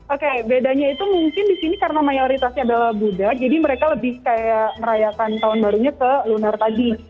oke bedanya itu mungkin di sini karena mayoritasnya adalah buddha jadi mereka lebih kayak merayakan tahun barunya ke lunar tadi